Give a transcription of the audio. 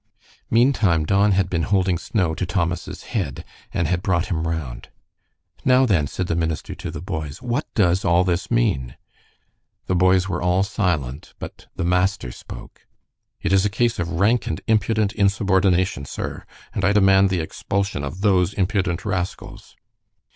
Meantime Don had been holding snow to Thomas's head, and had brought him round. "Now, then," said the minister to the boys, "what does all this mean?" The boys were all silent, but the master spoke. "It is a case of rank and impudent insubordination, sir, and I demand the expulsion of those impudent rascals."